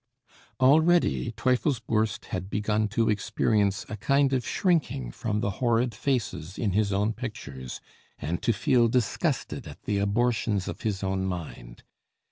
Already Teufelsbürst had begun to experience a kind of shrinking from the horrid faces in his own pictures, and to feel disgusted at the abortions of his own mind.